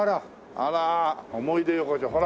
あら思い出横丁ほら。